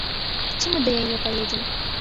Ці мы да яе паедзем.